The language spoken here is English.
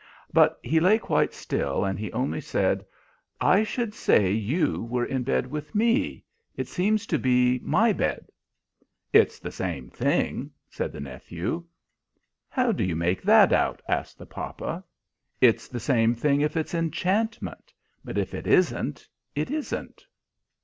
But he lay quite still, and he only said, "I should say you were in bed with me. It seems to be my bed." "It's the same thing!" said the nephew. "How do you make that out?" asked the papa. "It's the same thing if it's enchantment. But if it isn't, it isn't."